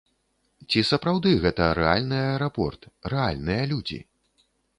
Ці сапраўды, гэта рэальны аэрапорт, рэальныя людзі?